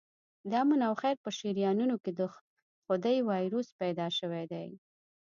د آمن او خیر په شریانونو کې د خدۍ وایروس پیدا شوی دی.